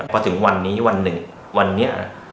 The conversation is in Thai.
พอถึงวันนี้วันหนึ่งวันนี้